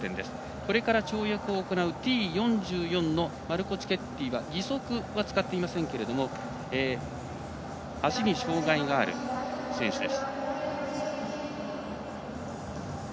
これから跳躍を行うＴ４４のマルコ・チケッティは義足は使っていませんけれども足に障がいがある選手です。